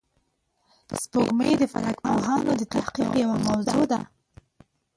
سپوږمۍ د فلک پوهانو د تحقیق یوه موضوع ده